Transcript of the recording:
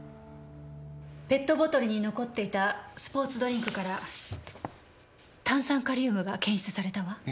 ペットボトルに残っていたスポーツドリンクから炭酸カリウムが検出されたわ。